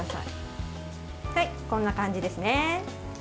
こんな感じですね。